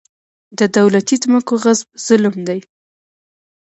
د دولتي ځمکو غصب ظلم دی.